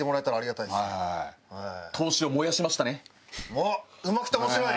おっうまくて面白い！